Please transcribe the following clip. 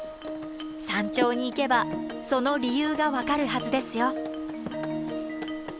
山頂に行けばその理由が分かるはずですよ。